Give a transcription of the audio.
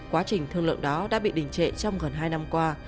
quá trình thương lượng đó đã bị đình trệ trong gần hai năm qua